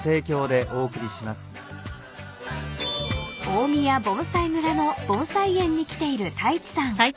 ［大宮盆栽村の盆栽園に来ている太一さん］